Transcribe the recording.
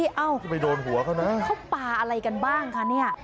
เขาปลาอะไรกันบ้างคะเนี่ย